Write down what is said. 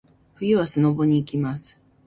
冬はスノボに行きます。